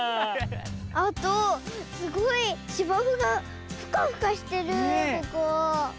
あとすごいしばふがフカフカしてるここ。